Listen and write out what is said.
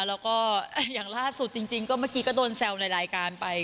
แล้วก็อย่างล่าสุดจริงก็เมื่อกี้ก็โดนแซวในรายการไป